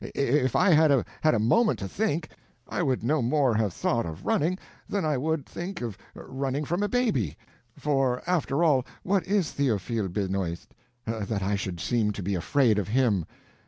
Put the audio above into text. If I had had a moment to think, I would no more have thought of running that I would think of running from a baby. For, after all, what is Theophile Benoist, that I should seem to be afraid of him?